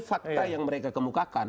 fakta yang mereka kemukakan